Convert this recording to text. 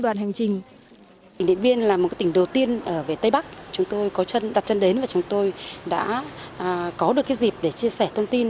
điện biên là tỉnh đầu tiên ở tây bắc chúng tôi đặt chân đến và chúng tôi đã có được dịp để chia sẻ thông tin